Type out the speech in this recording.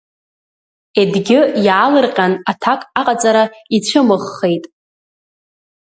Едгьы иаалырҟьан аҭак аҟаҵара ицәымӷхеит.